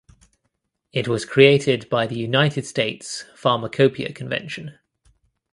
It was created by the United States Pharmacopeia Convention.